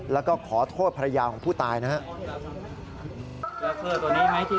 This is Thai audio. แล้วก็ขอโทษภรรยาของผู้ตายนะฮะแล้วเค้าตัวนี้ไหมที่